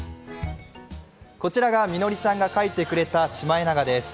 こちらが実紀ちゃんが描いてくれたシマエナガです。